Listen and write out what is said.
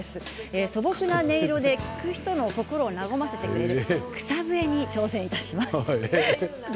素朴な音色で聴いてる人の心を和ませてくれる草笛に挑戦します。